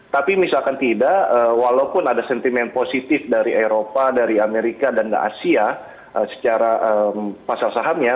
tapi misalkan tidak walaupun ada sentimen positif dari eropa dari amerika dan asia secara pasar sahamnya